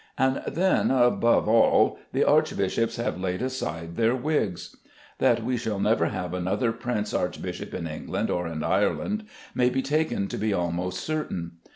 And then, above all, the archbishops have laid aside their wigs. That we shall never have another prince archbishop in England or in Ireland may be taken to be almost certain.